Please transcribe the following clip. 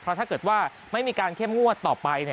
ถ้าเกิดว่าไม่มีการเข้มงวดต่อไป